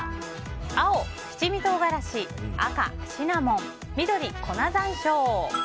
青、七味唐辛子赤、シナモン緑、粉山椒。